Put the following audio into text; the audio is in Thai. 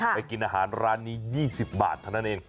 ไปกินอาหารร้านนี้๒๐บาทเท่านั้นเอง